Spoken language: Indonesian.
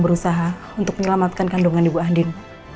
berusaha untuk menyelamatkan kandungan ibu andin